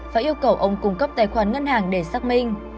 và yêu cầu ông cung cấp tài khoản ngân hàng để xác minh